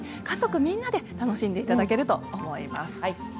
家族みんなで楽しんでいただけると思います。